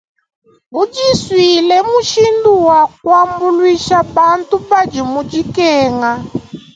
Budisuile mmushindu wa kuambuluisha bantu badi mu dikenga.